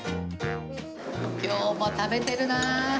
今日も食べてるな。